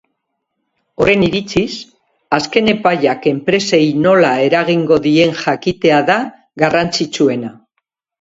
Horren iritziz, azken epaiak enpresei nola eragingo dien jakitea da garrantzitsuena.